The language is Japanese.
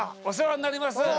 お世話になります。